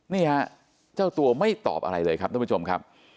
นี่ฮะเจ้าตัวไม่ตอบอะไรเลยครับท่านผู้ชมครับ